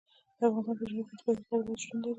د افغانستان په جنوب کې د پکتیکا ولایت شتون لري.